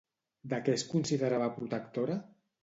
De què es considerava protectora?